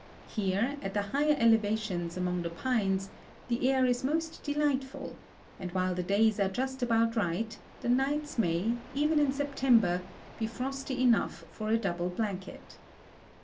Here, at the higher elevations among the pines, the air is most delightful, and while the days are just about right, the nights may, even in September, be frosty enough for a double blanket.